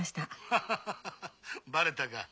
☎ハハハハハバレたか。